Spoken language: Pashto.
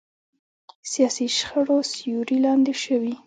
سیاسي شخړو سیوري لاندې شوي.